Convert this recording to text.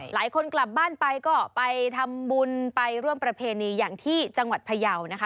หลายคนกลับบ้านไปก็ไปทำบุญไปร่วมประเพณีอย่างที่จังหวัดพยาวนะคะ